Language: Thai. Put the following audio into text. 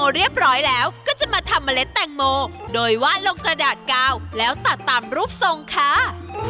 เรียบร้อยแล้วก็จะมาทำเมล็ดแตงโมโดยวาดลงกระดาษกาวแล้วตัดตามรูปทรงค่ะ